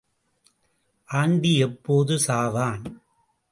Aunty எப்போது சாவான்?